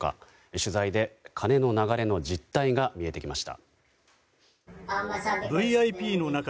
取材で金の流れの実態が見えてきました。